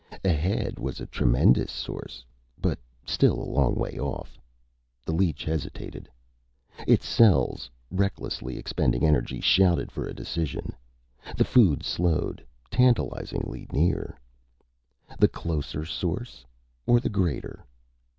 Ahead was a tremendous source, but still a long way off. The leech hesitated. Its cells, recklessly expending energy, shouted for a decision. The food slowed, tantalizingly near. The closer source or the greater?